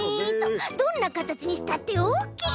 どんなかたちにしたってオッケー！